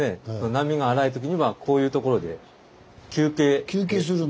波が荒いときにはこういうところで休憩。